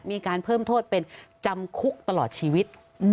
มีการเพิ่มโทษเป็นจำคุกตลอดชีวิต